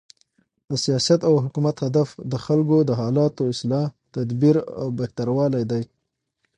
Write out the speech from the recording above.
د سیاست او حکومت هدف د خلکو د حالاتو، اصلاح، تدبیر او بهتروالی دئ.